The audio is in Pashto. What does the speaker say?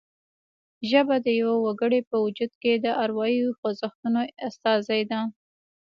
ژبه د یوه وګړي په وجود کې د اروايي خوځښتونو استازې ده